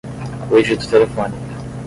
Cuide do telefone